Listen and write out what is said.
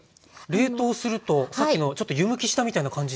冷凍するとさっきのちょっと湯むきしたみたいな感じに。